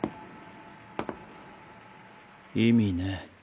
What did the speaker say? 意味ね。